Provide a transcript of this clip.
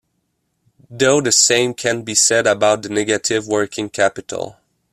Though, the same can't be said about the negative working capital.